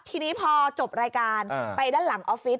ทีนี้พอจบรายการไปด้านหลังออฟฟิศ